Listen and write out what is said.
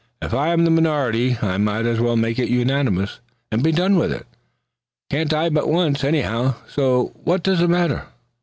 Huh! if I'm the minority, might as well make it unanimous, and be done with it. Can't die but once, anyhow, so what does it matter?"